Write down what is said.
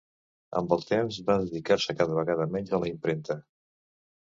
Amb el temps va dedicar-se cada vegada menys a la impremta.